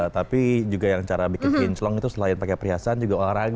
tapi juga yang cara bikin pincelong itu selain pakai perhiasan juga olahraga